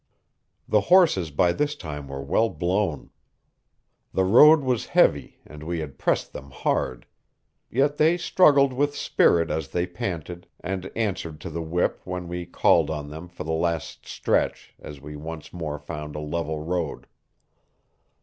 The horses by this time were well blown. The road was heavy, and we had pressed them hard. Yet they struggled with spirit as they panted, and answered to the whip when we called on them for the last stretch as we once more found a level road.